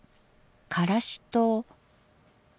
からしと。